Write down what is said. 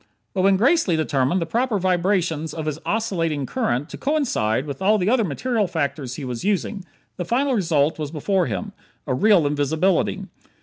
But when Gracely determined the proper vibrations of his oscillating current to coincide with all the other material factors he was using, the final result was before him real invisibility.